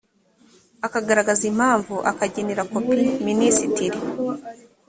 agaragaza impamvu akagenera kopi minisitiri